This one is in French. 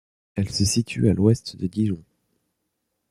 Elle se situe à l'ouest de Dijon.